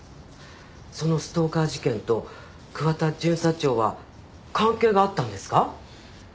そのストーカー事件と桑田巡査長は関係があったんですか？